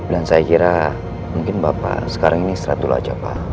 dan saya kira mungkin bapak sekarang ini seret dulu aja pak